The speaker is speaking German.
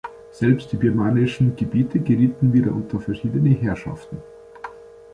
Selbst die birmanischen Gebiete gerieten wieder unter verschiedene Herrschaften.